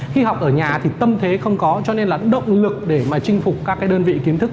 khi học ở nhà thì tâm thế không có cho nên là động lực để mà chinh phục các cái đơn vị kiến thức